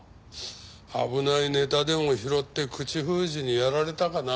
危ないネタでも拾って口封じにやられたかな？